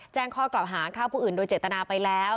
แจ้งข้อกล่าวหาฆ่าผู้อื่นโดยเจตนาไปแล้ว